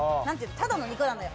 ただの肉なのよ。